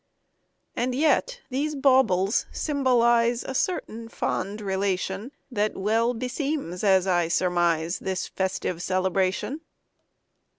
And yet these baubles symbolize A certain fond relation That well beseems, as I surmise, This festive celebration.